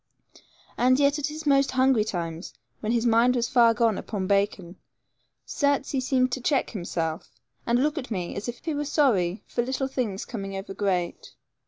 And yet at his most hungry times, when his mind was far gone upon bacon, certes he seemed to check himself and look at me as if he were sorry for little things coming over great.